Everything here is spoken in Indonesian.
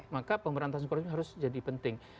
maka pemberantasan korupsi harus jadi penting